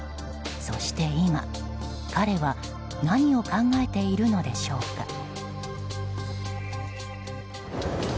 そして今、彼は何を考えているのでしょうか。